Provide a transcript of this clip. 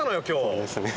そうですね。